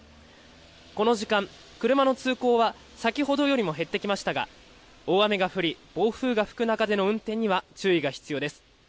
この時間、車の通行は先ほどよりも減ってきましたが、大雨が降り、暴風が吹く中での運転には注意が必要です。